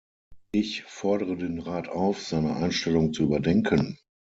Ich fordere den Rat auf, seine Einstellung zu überdenken.